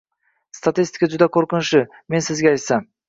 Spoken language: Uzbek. Statistika juda qo‘rqinchli, men sizga aytsam.